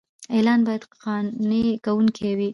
اعلان باید قانع کوونکی وي.